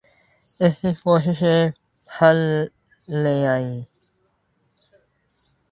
اس کی کوششیں پھل لے آئیں۔